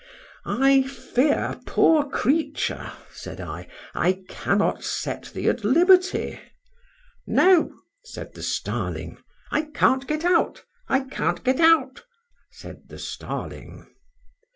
—I fear, poor creature! said I, I cannot set thee at liberty.—"No," said the starling,— "I can't get out—I can't get out," said the starling.